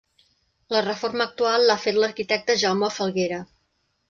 La reforma actual l’ha fet l’arquitecte Jaume Falguera.